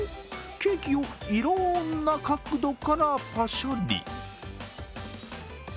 ケーキをいろんな角度からパシャリ。